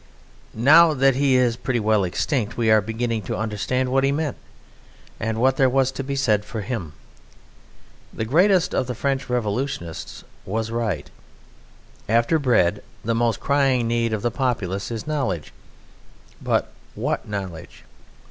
Now that he is pretty well extinct we are beginning to understand what he meant and what there was to be said for him. The greatest of the French Revolutionists was right "After bread, the most crying need of the populace is knowledge." But what knowledge?